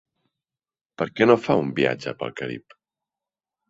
Per què no fa un viatge pel Carib?